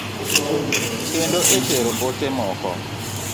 Kendo e tero ote moko.